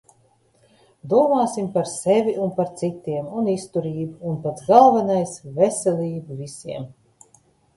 Domāsim par sevi un par citiem un izturību un, pats galvenais, veselību visiem!